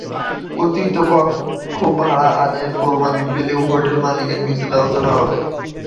অতিরিক্ত কক্ষ ভাড়া আদায়ের প্রমাণ পেলে হোটেল–মালিকের বিরুদ্ধে ব্যবস্থা নেওয়া হবে।